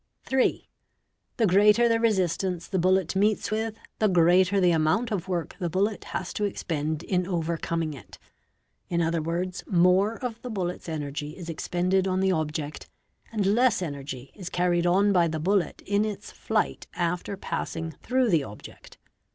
|; e (3) The greater the resistance the bullet meets with, the greater | the amount of work the bullet has to expend in overcoming it. In GUN SHOT WOUNDS 637 §. other words, more of the bullet's energy is expended on the object and less energy is carried on by the bullet in its flight after passing through the object.